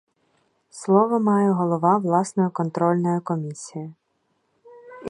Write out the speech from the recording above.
Слово має голова власної контрольної комісії.